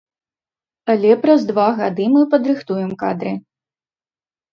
Але праз два гады мы падрыхтуем кадры.